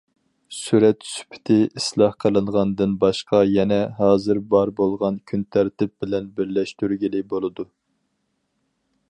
سۈرەت سۈپىتى ئىسلاھ قىلىنغاندىن باشقا يەنە، ھازىر بار بولغان كۈنتەرتىپ بىلەن بىرلەشتۈرگىلى بولىدۇ.